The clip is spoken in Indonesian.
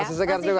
masih segar juga